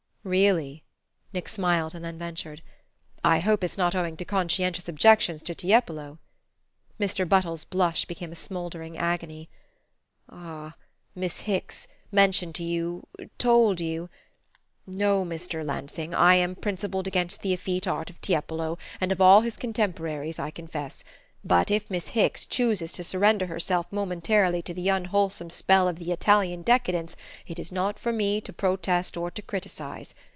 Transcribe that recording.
"Really," Nick smiled, and then ventured: "I hope it's not owing to conscientious objections to Tiepolo?" Mr. Buttles's blush became a smouldering agony. "Ah, Miss Hicks mentioned to you... told you...? No, Mr. Lansing. I am principled against the effete art of Tiepolo, and of all his contemporaries, I confess; but if Miss Hicks chooses to surrender herself momentarily to the unwholesome spell of the Italian decadence it is not for me to protest or to criticize.